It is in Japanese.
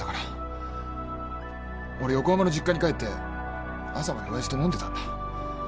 俺横浜の実家に帰って朝まで親父と飲んでたんだ。